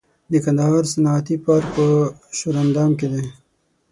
د کندهار صنعتي پارک په ښوراندام کې دی